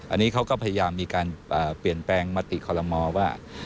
อันนี้เขาก็พยายามมีการเปลี่ยนแปลงมติคอลโมว่า